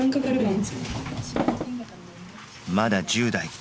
まだ１０代。